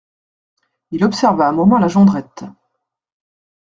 Il observa un moment la Jondrette.